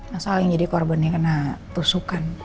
masalahnya jadi korbannya kena tusukan